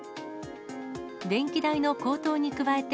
電気代の高騰に加えて、